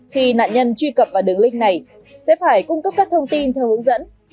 khi nạn nhân truy cập vào đường link này sẽ phải cung cấp các thông tin theo hướng dẫn